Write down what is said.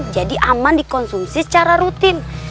jadi aman dikonsumsi secara rutin